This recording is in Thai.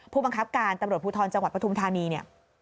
ผู้บังคับการตำรวจภูทรจังหวัดประธุมธนีย์